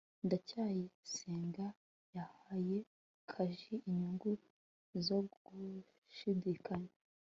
ndacyayisenga yahaye jaki inyungu zo gushidikanya